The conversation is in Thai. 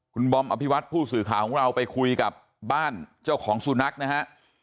คุณบอมอภิวัตผู้สื่อข่าวของเราไปคุยกับบ้านเจ้าของสุนัขนะฮะ